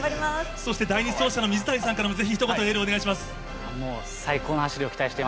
そして第２走者の水谷さんからもぜひ、ひと言エールをお願い